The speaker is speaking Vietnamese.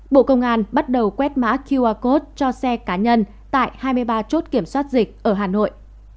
bộ công an bắt đầu quét mã qr code cho xe cá nhân tại hai mươi ba chốt kiểm soát dịch ở hà nội